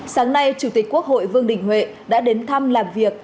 sáng nay chủ tịch quốc hội vương đình huệ đã đến thăm làm việc